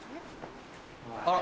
あら。